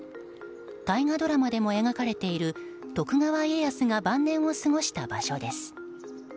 大河ドラマでも描かれている徳川家康が晩年を過ごした場所です。